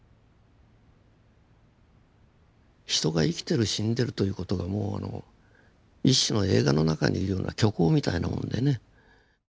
人が生きてる死んでるという事がもう一種の映画の中にいるような虚構みたいなもんでね。